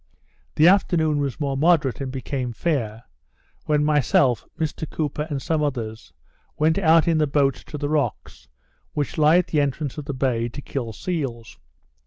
The afternoon was more moderate, and became fair; when myself, Mr Cooper, and some others, went out in the boats to the rocks, which lie at this entrance of the bay, to kill seals.